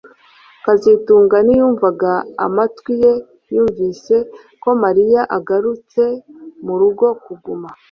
kazitunga ntiyumvaga amatwi ye yumvise ko Mariya agarutse murugo kuguma